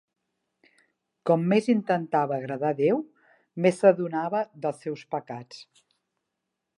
Com més intentava agradar Déu, més s'adonava dels seus pecats.